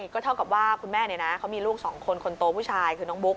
ก็เท่ากับว่าคุณแม่เขามีลูกสองคนคนโตผู้ชายคือน้องบุ๊